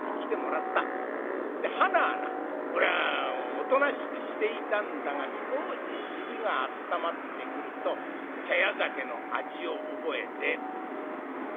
で端はなこりゃあおとなしくしていたんだが少し尻があったまってくると茶屋酒の味を覚えて夜遊び火遊び。